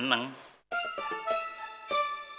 pintah yang ada di rumah